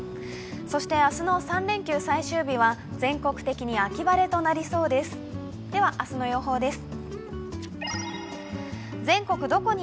そして明日の３連休最終日は全国的に秋晴れとなりそうです。